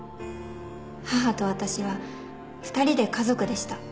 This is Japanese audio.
母と私は２人で家族でした。